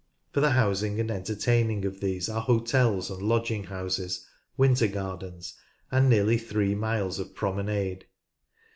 For the housing and entertaining of these are hotels and lodging houses, winter gardens, and nearly three miles of promenade.